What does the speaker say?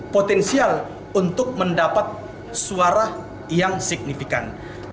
potensial untuk mendapat suara yang signifikan